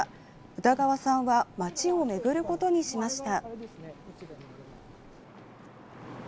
歌川さんは町を巡ることにしました。